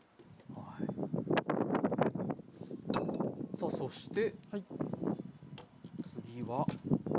さあそして次は。